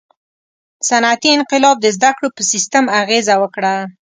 • صنعتي انقلاب د زدهکړو په سیستم اغېزه وکړه.